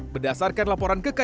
berdasarkan laporan kekejangan